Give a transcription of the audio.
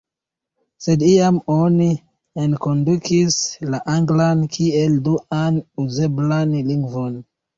Sed iam oni enkondukis la anglan kiel duan uzeblan lingvon.